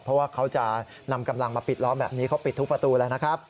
เพราะว่าเขาจะนำกำลังมาปิดล้อมแบบนี้เขาปิดทุกประตูแล้วนะครับ